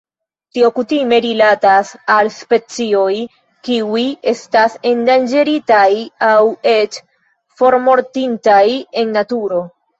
Tio kutime rilatas al specioj kiuj estas endanĝeritaj aŭ eĉ formortintaj en naturo.